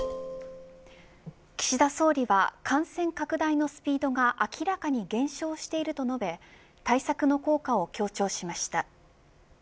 岸田総理は感染拡大のスピードが明らかに減少していると述べ対策の効果を強調しました。